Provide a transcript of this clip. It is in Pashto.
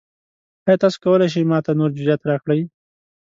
ایا تاسو کولی شئ ما ته نور جزئیات راکړئ؟